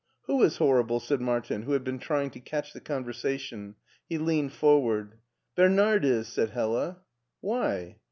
"Who is horrible?" said Martin, who had been trying to catch the conversation. He leaned forward. " Bernard is," said Hella. "Why?"